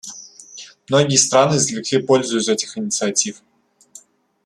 Многие страны извлекли пользу из этих инициатив.